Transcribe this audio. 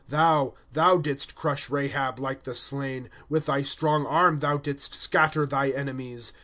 ^^ Thou, thou didst crush Rahab like the slain ; With thy strong arm thou didst scatter thy enemies.